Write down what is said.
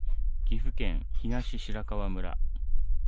岐阜県東白川村